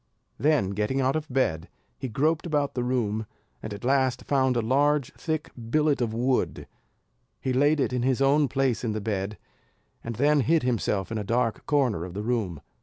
Then getting out of bed, he groped about the room, and at last found a large thick billet of wood; he laid it in his own place in the bed, and then hid himself in a dark corner of the room.